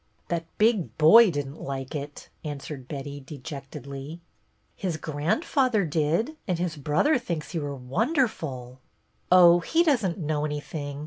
" That big boy did n't like it," answered Betty, dejectedly. " His grandfather did, and his brother thinks you are wonderful." THE PLAY 155 " Oh, he does n't know anything.